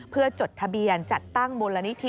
เพื่อจดทะเบียนจัดตั้งมูลนิธิ